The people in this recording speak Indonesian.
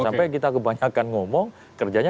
sampai kita kebanyakan ngomong kerjanya